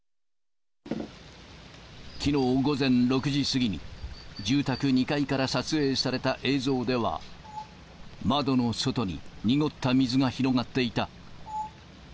きのう午前６時過ぎに、住宅２階から撮影された映像では、窓の外に濁った水が広がっていた。